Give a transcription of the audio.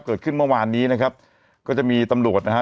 เกิดขึ้นเมื่อวานนี้นะครับก็จะมีตำรวจนะฮะ